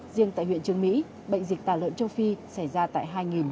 riêng tại huyện trương mỹ bệnh dịch tà lợn châu phi xảy ra tại hai bốn trăm bốn mươi bảy